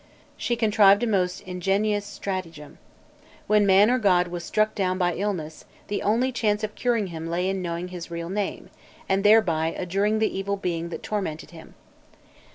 She contrived a most ingenious stratagem. When man or god was struck down by illness, the only chance of curing him lay in knowing his real name, and thereby adjuring the evil being that tormented him.